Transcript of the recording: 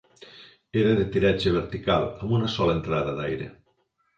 Era de tiratge vertical, amb una sola entrada d'aire.